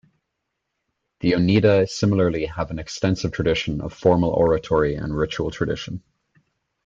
The Oneida similarly have an extensive tradition of formal oratory and ritual tradition.